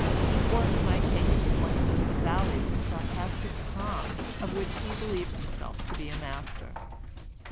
Or he might take it with one of those sallies of sarcastic calm, of which he believed himself to be a master.